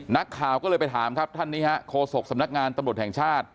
นักข่าวก็เลยไปถามครับท่านนี้ฮะโฆษกสำนักงานตำรวจแห่งชาติ